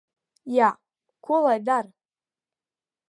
Jā. Ko lai dara?